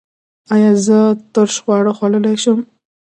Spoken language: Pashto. ایا زه ترش خواړه خوړلی شم؟